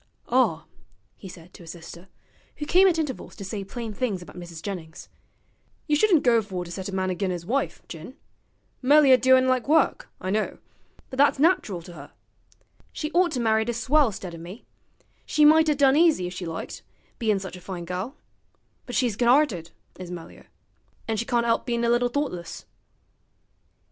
'Ah,' he said to his sister, who came at intervals to say plain things about Mrs. Jennings, 'you shouldn't go for to set a man agin 'is wife, Jin. Melier do'n' like work, I know, but that's nach'ral to 'er. She ought to married a swell 'stead o' me; she might 'a' done easy if she liked, bein' sich a fine gal; but she's good 'arted, is Melier; an' she can't 'elp bein' a bit thoughtless.'